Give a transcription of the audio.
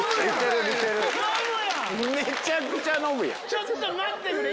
ちょっと待ってくれ！